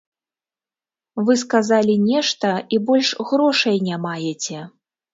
Вы сказалі нешта, і больш грошай не маеце.